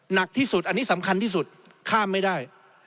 หนักที่สุดอันนี้สำคัญที่สุดข้ามไม่ได้